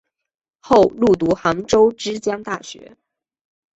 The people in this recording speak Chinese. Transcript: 后入读杭州之江大学。